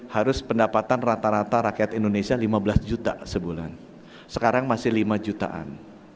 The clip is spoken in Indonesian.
harus pendapatan rata rata rakyat indonesia lima belas juta sebulan sekarang masih lima jutaan